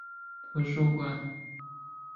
莫荣新遂派黄兴业标统进剿陈祝三等海匪。